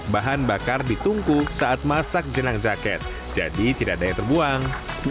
bahan bakar ditungku saat masak jenang jaket jadi tidak ada yang terbuang